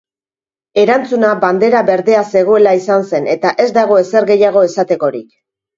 Erantzuna bandera berdea zegoela izan zen eta ez dago ezer gehiago esatekorik.